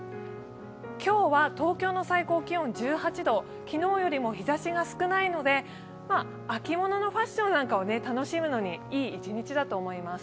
今日は東京の最高気温は１８度昨日よりも日ざしが少ないので秋物のファッションなんかを楽しむのにいい一日だと思います。